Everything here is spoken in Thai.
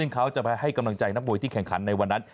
เขาจะไปให้กำลังใจนักมวยที่แข่งขันในวันนั้น